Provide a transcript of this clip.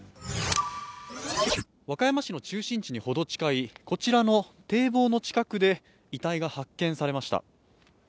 和歌山市の中心地にほど近い、こちらの堤防の近くで遺体が発見されました。